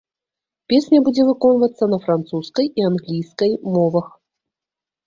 Песня будзе выконвацца на французскай і англійскай мовах.